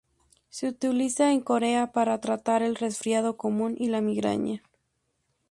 Se utiliza en Corea para tratar el resfriado común y la migraña.